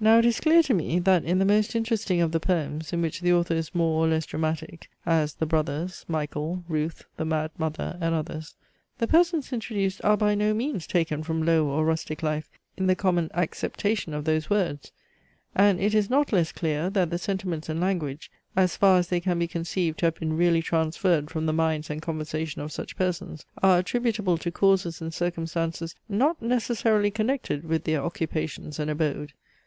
Now it is clear to me, that in the most interesting of the poems, in which the author is more or less dramatic, as THE BROTHERS, MICHAEL, RUTH, THE MAD MOTHER, and others, the persons introduced are by no means taken from low or rustic life in the common acceptation of those words! and it is not less clear, that the sentiments and language, as far as they can be conceived to have been really transferred from the minds and conversation of such persons, are attributable to causes and circumstances not necessarily connected with "their occupations and abode."